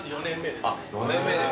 ４年目で。